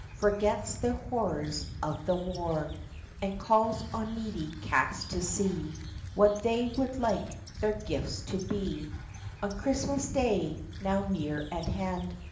Forgets the horrors of the war. And calls on needy cats to see What they would like their gifts to be On Christmas Day, now near at hand.